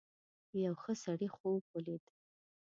یو ښه سړي خوب ولید.